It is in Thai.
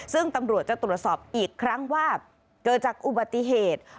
ซึ่งตำรวจจะตรวจสอบอีกครั้งว่าเกิดจากอุบัติเหตุ